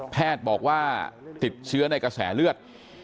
แพทย์บอกว่าติดเชื้อในกระแสเลือด